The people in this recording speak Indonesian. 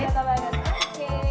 ibu kota banget oke